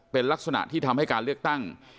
เป็นลักษณะที่ทำให้การเลือกตั้ง